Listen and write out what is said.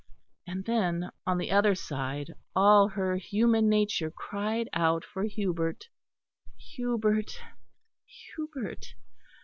And then on the other side all her human nature cried out for Hubert Hubert Hubert.